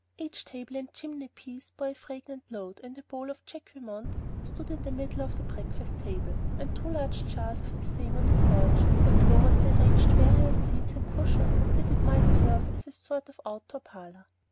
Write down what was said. Each table and chimney piece bore a fragrant load; a great bowl of Jacqueminots stood in the middle of the breakfast table, and two large jars of the same on the porch, where Clover had arranged various seats and cushions that it might serve as a sort of outdoor parlor.